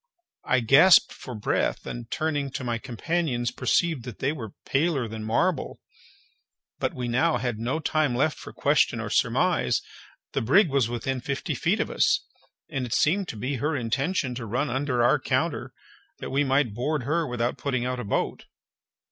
I gasped for breath, and turning to my companions, perceived that they were paler than marble. But we had now no time left for question or surmise—the brig was within fifty feet of us, and it seemed to be her intention to run under our counter, that we might board her without putting out a boat.